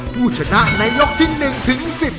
ผู้ชนะในยกที่๑ถึง๑๐